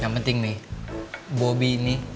yang penting nih bobi ini